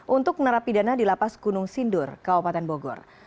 untuk menerapi dana di lapas gunung sindur kabupaten bogor